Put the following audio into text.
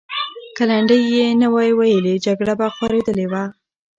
که لنډۍ یې نه وای ویلې، جګړه به خورېدلې وه.